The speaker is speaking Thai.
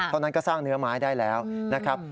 เท่านั้นก็สร้างเนื้อไม้ได้แล้วนะครับ